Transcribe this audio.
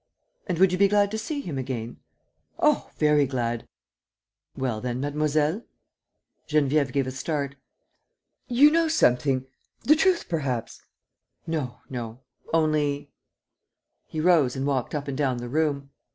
"And would you be glad to see him again?" "Oh, very glad." "Well, then, mademoiselle ..." Geneviève gave a start: "You know something ... the truth perhaps ..." "No ... no ... only ..." He rose and walked up and down the room.